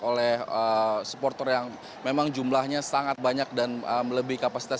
oleh supporter yang memang jumlahnya sangat banyak dan melebihi kapasitas